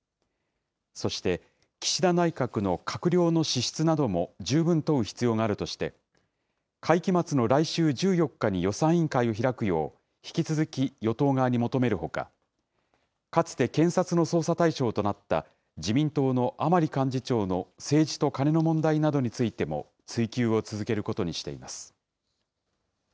そして、岸田内閣の閣僚の資質なども十分問う必要があるとして、会期末の来週１４日に予算委員会を開くよう、引き続き与党側に求めるほか、かつて検察の捜査対象となった、自民党の甘利幹事長の政治とカネの問題などについても追及を続けることにしています。